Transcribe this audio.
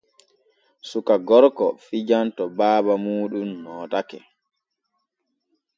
Suka gorko fijan to baaba muuɗum nootake.